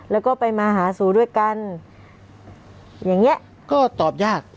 แล้วก็ไปมาหาสู่ด้วยกันอย่างเงี้ยก็ตอบยาก